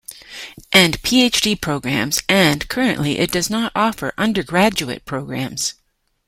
and Ph.D. programs and currently it does not offer undergraduate programs.